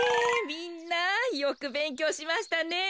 みんなよくべんきょうしましたね。